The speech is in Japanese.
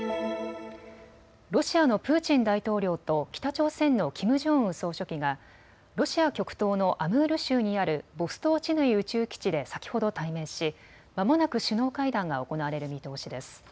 ロシアのプーチン大統領と北朝鮮のキム・ジョンウン総書記がロシア極東のアムール州にあるボストーチヌイ宇宙基地で先ほど対面し、まもなく首脳会談が行われる見通しです。